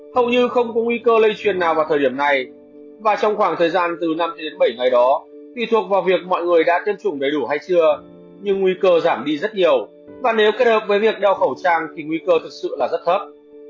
hầu như không có nguy cơ lây truyền nào vào thời điểm này và trong khoảng thời gian từ năm đến bảy ngày đó tùy thuộc vào việc mọi người đã tiêm chủng đầy đủ hay chưa nhưng nguy cơ giảm đi rất nhiều và nếu kết hợp với việc đeo khẩu trang thì nguy cơ thật sự là rất thấp